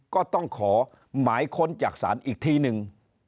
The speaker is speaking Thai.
ก็ต้องขอหมายค้นจากศาลอีกทีนึง